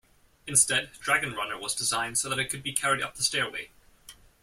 Instead, Dragon Runner was designed so that it could be carried up the stairway.